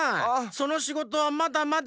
そのしごとはまだまだ。